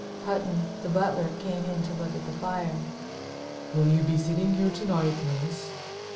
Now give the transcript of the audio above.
Hutton, the butler, came in to look at the fire. "Will you be sitting here to night, miss?"